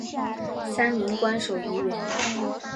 三名官守议员。